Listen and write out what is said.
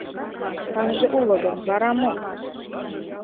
Таҥже уло гын, вара мо?